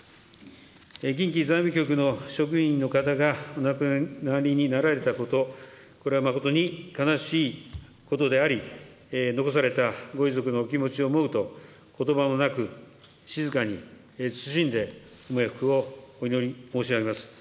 近畿財務局の職員の方がお亡くなりになられたこと、これは誠に悲しいことであり、残されたご遺族のお気持ちを思うと、ことばもなく、静かに謹んでご冥福をお祈り申し上げます。